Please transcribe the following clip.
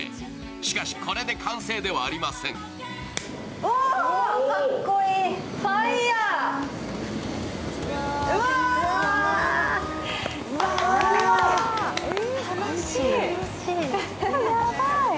しかし、これで完成ではありません楽しい。